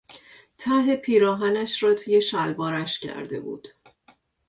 ته پیراهنش را توی شلوارش کرده بود.